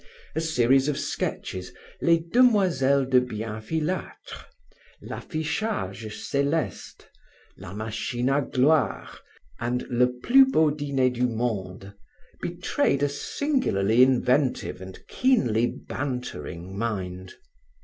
A series of sketches, les Demoiselles de Bienfilatre, l'Affichage celeste, la Machine a gloire, and le Plus beau diner du monde, betrayed a singularly inventive and keenly bantering mind.